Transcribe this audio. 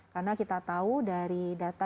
karena kita tahu dari data